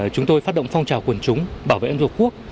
chúng tôi phát động phong trào quần chúng bảo vệ ấn độ quốc